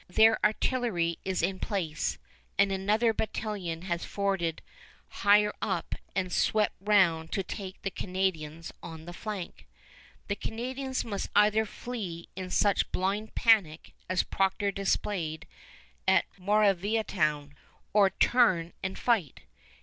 Their artillery is in place, and another battalion has forded higher up and swept round to take the Canadians on the flank. The Canadians must either flee in such blind panic as Procter displayed at Moraviantown, or turn and fight.